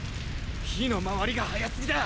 火の回りが速すぎだ。